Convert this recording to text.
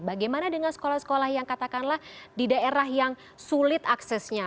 bagaimana dengan sekolah sekolah yang katakanlah di daerah yang sulit aksesnya